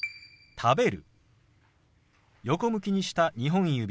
「食べる」。